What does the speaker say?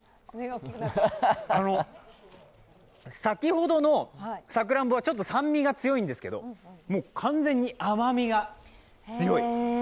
うん、先ほどのさくらんぼはちょっと酸味が強いんですけど、もう完全に甘味が強い。